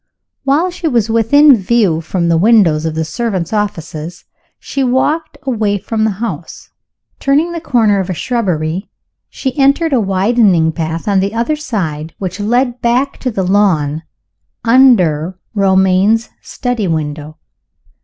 While she was within view from the windows of the servants' offices she walked away from the house. Turning the corner of a shrubbery, she entered a winding path, on the other side, which led back to the lawn under Romayne's study window.